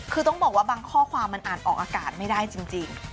คือต้องบอกว่าบางข้อความมันอ่านออกอากาศไม่ได้จริง